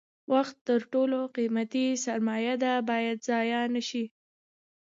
وخت تر ټولو قیمتي سرمایه ده باید ضایع نشي.